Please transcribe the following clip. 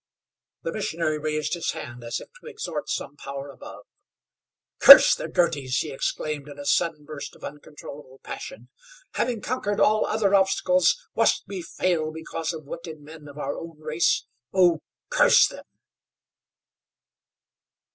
The missionary raised his hand as if to exhort some power above. "Curse the Girty's!" he exclaimed in a sudden burst of uncontrollable passion. "Having conquered all other obstacles, must we fail because of wicked men of our own race? Oh, curse them!"